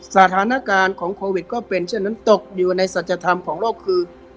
สถานการณ์ของโควิดก็เป็นเช่นนั้นตกอยู่ในสัจธรรมของโลกคือ